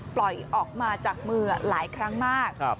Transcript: ปล่อยออกมาจากมือหลายครั้งมาก